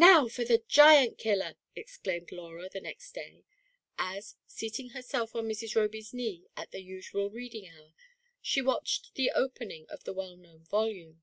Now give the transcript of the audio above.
"Now for the Giant kiUer !" exclaimed Laura the next day, as, seating herself on Mrs. Roby's knee at the usual reading hour, she watched the opening of tlie well known volume.